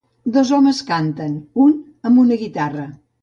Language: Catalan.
Dos homes canten, un amb una guitarra.